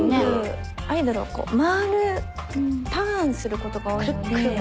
アイドルはこう回るターンすることが多いので。